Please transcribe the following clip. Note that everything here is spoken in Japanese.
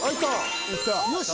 ・よし！